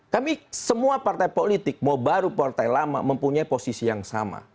kami semua partai politik mau baru partai lama mempunyai posisi yang sama